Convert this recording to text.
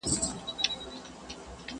انسان ته خبره، خره ته لرگى.